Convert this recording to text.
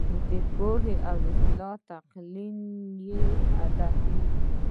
د پوهې او اصلاح تلقین یې هدف وي.